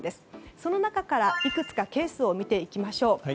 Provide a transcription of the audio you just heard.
その中からいくつかケースを見ていきましょう。